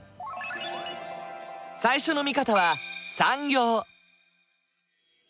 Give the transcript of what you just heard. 最初の見方は産業。